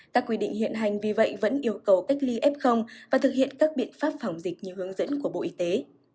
các quy định hiện hành vì vậy vẫn yêu cầu cách ly f và thực hiện các biện pháp phòng dịch như hướng dẫn của bộ y tế